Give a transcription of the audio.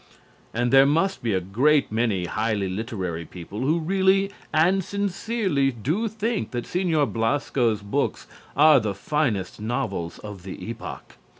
And there must be a great many highly literary people who really and sincerely do think that Señor Blasco's books are the finest novels of the epoch.